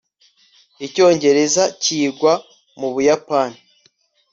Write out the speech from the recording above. icyongereza cyigwa mu buyapani